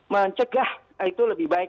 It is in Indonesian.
mencegah itu lebih baik